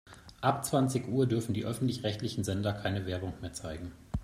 Ab zwanzig Uhr dürfen die öffentlich-rechtlichen Sender keine Werbung mehr zeigen.